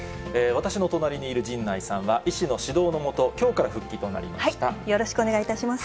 私の隣にいる陣内さんは、医師の指導の下、きょうから復帰となりよろしくお願いいたします。